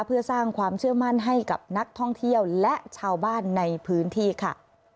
เพื่อสร้างความเชื่อมั่นให้กับนักท่องเที่ยวและชาวบ้านในพื้นที่ค่ะ